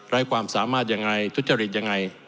ไร้ความสามารถอย่างไรทุจจิตอย่างไร